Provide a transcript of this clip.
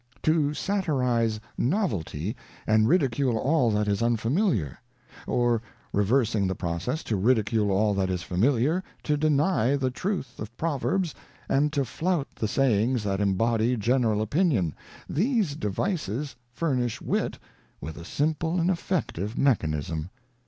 To satirize novelty, and ridicule all that is unfami liar ; or, reversing the process, to ridicule all that is familiar, to deny the truth of proverbs and to flout the sayings that embody general opinion — these devices fur nish wit with a simple and effective mechanism.